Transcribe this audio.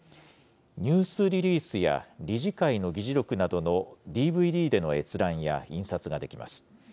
ニュースリリースや理事会の議事録などのＤＶＤでの閲覧や印刷ができます。